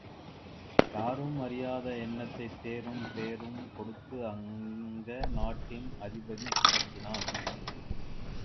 யாரும் அறியாத என்னைத் தேரும் பேரும் கொடுத்து அங்க நாட்டின் அதிபதி ஆக்கினான்.